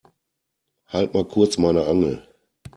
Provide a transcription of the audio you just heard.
Halt mal kurz meine Angel.